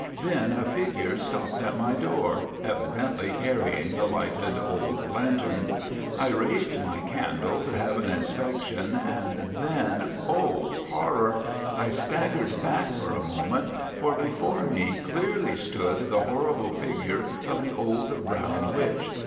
Then a figure stopped at my door, evidently carrying a lighted old lantern. I raised my candle to have an inspection, and then, oh! horror!—I staggered back for a moment, for before me clearly stood the horrible figure of the old "Brown Witch."